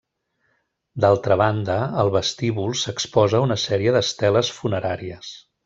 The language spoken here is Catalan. D'altra banda, al vestíbul s'exposa una sèrie d'esteles funeràries.